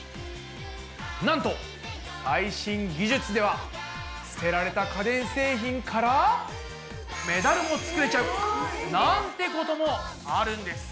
なんと最新技術では捨てられた家電製品からメダルもつくれちゃうなんてこともあるんです！